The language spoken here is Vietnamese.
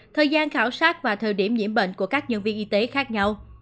thời gian khảo sát và thời điểm nhiễm bệnh của các nhân viên y tế khác nhau